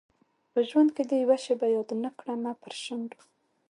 په ژوند کي دي یوه شېبه یاد نه کړمه پر شونډو